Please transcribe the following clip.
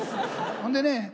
ほんでね